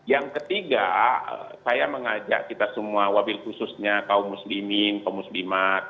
yang ketiga saya mengajak kita semua wabil khususnya kaum muslimin kau muslimat